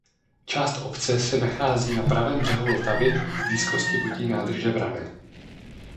Část obce se nachází na pravém břehu Vltavy v blízkosti Vodní nádrže Vrané.